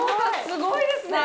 すごいですね。